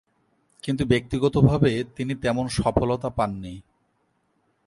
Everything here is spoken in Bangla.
কিন্তু ব্যক্তিগতভাবে তিনি তেমন সফলতা পাননি।